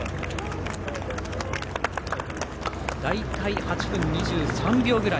大体８分２３秒くらい。